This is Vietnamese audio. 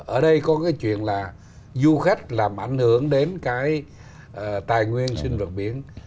ở đây có cái chuyện là du khách làm ảnh hưởng đến cái tài nguyên sinh vật biển